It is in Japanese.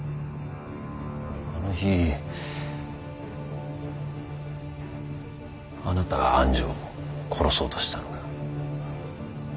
あの日あなたが愛珠を殺そうとしたのか。